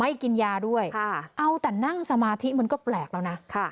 ไม่กินยาด้วยค่ะเอาแต่นั่งสมาธิเหมือนก็แปลกแล้วนะค่ะ